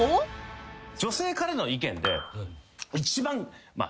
女性からの意見で一番。